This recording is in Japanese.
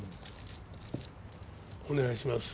お願いします。